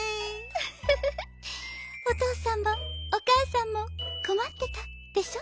「ウフフフおとうさんもおかあさんもこまってたでしょ」。